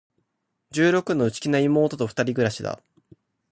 十六の、内気な妹と二人暮しだ。